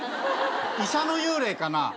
医者の幽霊かな。